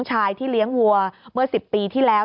ชายที่เลี้ยงวัวเมื่อ๑๐ปีที่แล้ว